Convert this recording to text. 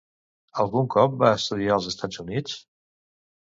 Algun cop va estudiar als Estats Units?